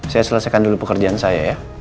saya selesaikan dulu pekerjaan saya ya